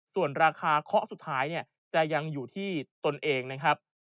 ส่วนราคาเคาะสุดท้ายเนี่ยจะยังอยู่ที่ตนเองนะครับ